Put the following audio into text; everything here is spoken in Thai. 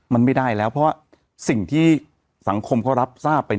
มันไม่ได้แล้วเพราะสิ่งที่สังคมเขารับทราบไป